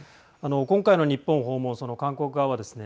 今回の日本訪問その韓国側はですね